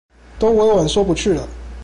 都委婉說不去了